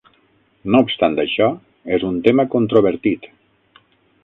No obstant això, és un tema controvertit.